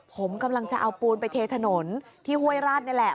ผมกำลังจะเอาปูนไปเทถนนที่ห้วยราชนี่แหละ